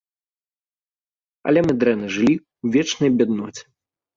Але мы дрэнна жылі, у вечнай бядноце.